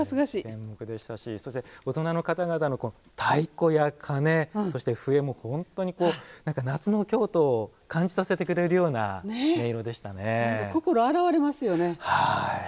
演目でしたし大人の方々の太鼓や鉦そして笛も本当に夏の京都を感じさせてくれるような心が洗われますよね。